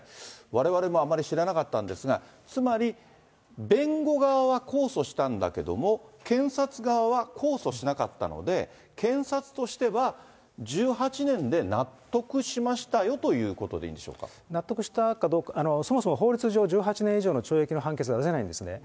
われわれもあまり知らなかったんですが、つまり、弁護側は控訴したんだけども、検察側は控訴しなかったので、検察としては１８年で納得しましたよということでいいんでしょう納得したかどうか、そもそも法律上、１８年以上の懲役の判決出せないんですね。